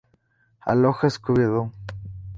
Aloha, Scooby-Doo!